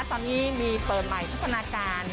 ตอนนี้มีเปิดใหม่พัฒนาการ